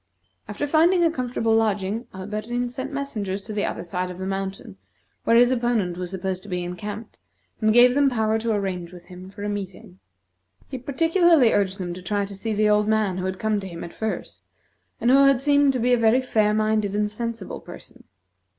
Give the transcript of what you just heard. After finding a comfortable lodging, Alberdin sent messengers to the other side of the mountain, where his opponent was supposed to be encamped, and gave them power to arrange with him for a meeting. He particularly urged them to try to see the old man who had come to him at first, and who had seemed to be a very fair minded and sensible person.